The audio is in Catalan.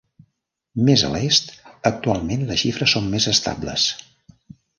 Més a l'est, actualment les xifres són més estables.